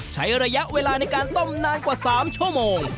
ใช้ระยะเวลาในการต้มนานกว่า๓ชั่วโมง